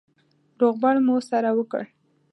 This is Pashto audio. روغبړ مو سره وکړ.